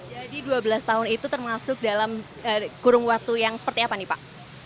jadi dua belas tahun itu termasuk dalam kurung waktu yang seperti apa nih pak